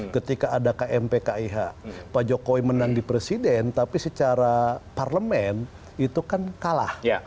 ketika ada kmp kih pak jokowi menang di presiden tapi secara parlemen itu kan kalah